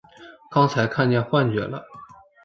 刚才看见幻觉了！